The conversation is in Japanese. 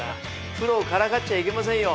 プロをからかっちゃいけませんよ。